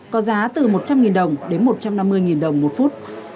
có giá từ một trăm linh đồng đến một trăm năm mươi đồng một phút